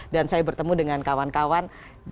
dan saya bertemu dengan kawan kawan